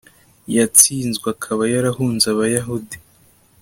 yatsinzwe, akaba yarahunze abayahudi